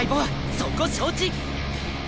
そこ承知！